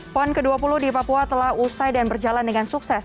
pon ke dua puluh di papua telah usai dan berjalan dengan sukses